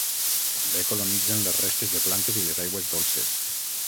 També colonitzen les restes de plantes i les aigües dolces.